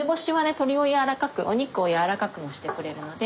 鶏を軟らかくお肉を軟らかくもしてくれるので。